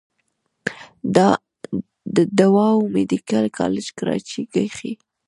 د ډاؤ ميديکل کالج کراچۍ کښې